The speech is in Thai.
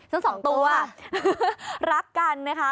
ซึ่ง๒ตัวรักกันนะคะ